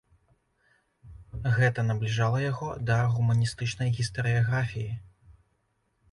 Гэта набліжала яго да гуманістычнай гістарыяграфіі.